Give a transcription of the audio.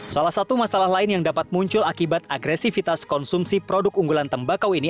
salah satu masalah lain yang dapat muncul akibat agresivitas konsumsi produk unggulan tembakau ini